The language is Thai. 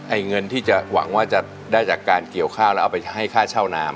เงินที่จะหวังว่าจะได้จากการเกี่ยวข้าวแล้วเอาไปให้ค่าเช่าน้ำ